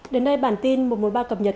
đến đây bản tin một trăm một mươi ba cập nhật